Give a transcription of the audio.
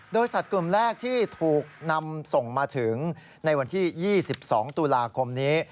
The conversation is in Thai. โดยสัตว์กลุ่มแรกที่ถูกนำส่งมาถึงในวันที่๒๒ตุลาคมนี้